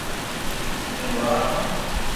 امي لوھار ھون